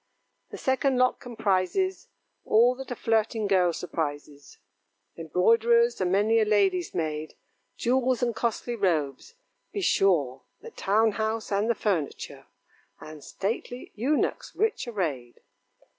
The second lot comprises All that a flirting girl surprises: Embroiderer's, and many a lady's maid, Jewels, and costly robes; be sure The town house, and the furniture, And stately eunuchs, rich arrayed.